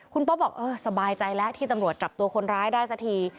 คุณโป๊บอกเออสบายใจแล้วที่ตำรวจจับตัวคนร้ายได้สักที